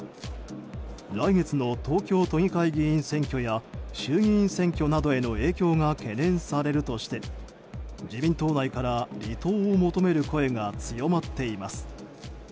来月の東京都議会議員選挙や衆議院選挙への影響が懸念されるとして自民党内から離党を求める声が強まっています。